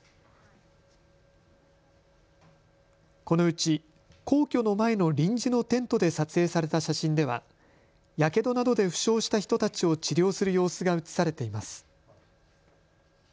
このうち皇居の前の臨時のテントで撮影された写真ではやけどなどで負傷した人たちを治療する様子が写されています。